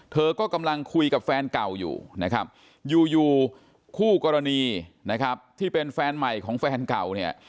เธอก็กำลังคุยกับแฟนเก่าอยู่นะครับอยู่อยู่คู่กรณีนะครับที่เป็นแฟนใหม่ของแฟนเก่าเนี่ย